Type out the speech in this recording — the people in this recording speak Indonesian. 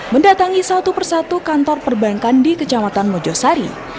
mendatangi satu persatu kantor perbankan di kecamatan mojosari